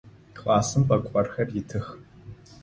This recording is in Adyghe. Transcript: Классым пӏэкӏорхэр итых.